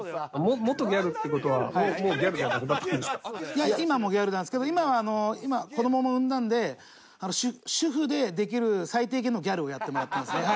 いや今もギャルなんですけど今はあの子どもも産んだんで主婦でできる最低限のギャルをやってもらってますね。